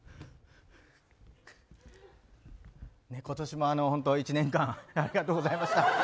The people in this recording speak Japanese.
今年も１年間ありがとうございました。